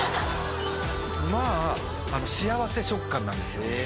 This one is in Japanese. まああの幸せ食感なんですよ